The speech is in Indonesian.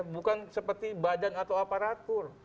bukan seperti badan atau aparatur